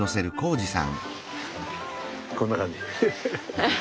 こんな感じ。